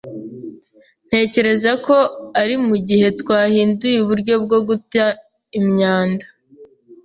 Ntekereza ko ari mugihe twahinduye uburyo bwo guta imyanda.